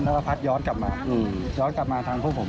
แล้วก็พัดย้อนกลับมาย้อนกลับมาทางพวกผม